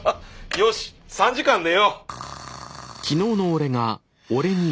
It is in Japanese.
よし３時間寝よう。